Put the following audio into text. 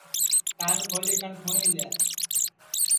کان کھولی کن سُٹؔی لے